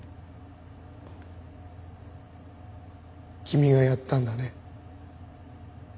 君がやったんだね。